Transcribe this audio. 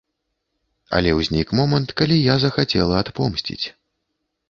Але ўзнік момант, калі я захацела адпомсціць.